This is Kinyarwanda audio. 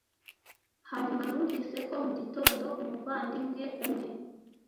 Hanyuma numvise ko mugitondo umuvandimwe umwe